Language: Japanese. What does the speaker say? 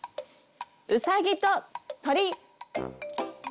うさぎと鳥。